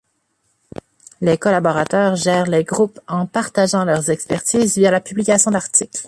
Les collaborateurs gèrent les groupes en partageant leurs expertises via la publication d’articles.